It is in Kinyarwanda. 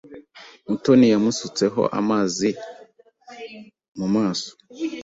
Mutoni yamusutseho amazi mu maso.